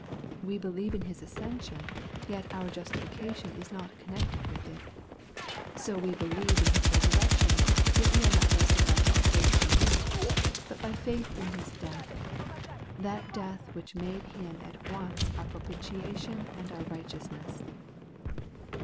We believe in His ascension, yet our justifi cation is not connected with it. So we believe His resurrection, yet are we not justified by faith in it, but by faith in His death, — that death which made Him at once our propitiation and our righteous ness.